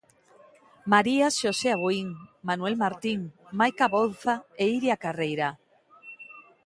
María Xosé Abuín, Manuel Martín, Maica Bouza e Iria Carreira.